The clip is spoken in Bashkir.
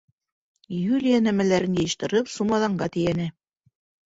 Юлия нәмәләрен йыйыштырып, сумаҙанға тейәне.